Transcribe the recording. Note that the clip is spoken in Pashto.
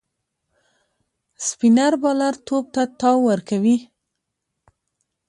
سپينر بالر توپ ته تاو ورکوي.